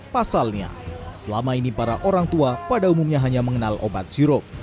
pasalnya selama ini para orang tua pada umumnya hanya mengenal obat sirup